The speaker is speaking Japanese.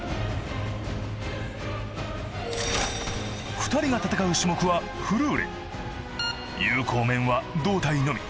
２人が戦う種目は有効面は胴体のみ。